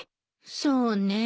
そうね。